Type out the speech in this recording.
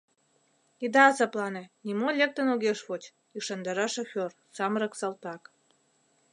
— Ида азаплане, нимо лектын огеш воч, — ӱшандара шофёр, самырык салтак.